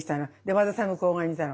和田さんがここにいたの。